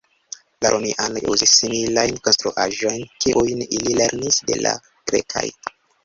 La Romianoj uzis similajn konstruaĵojn, kiujn ili lernis de la grekaj.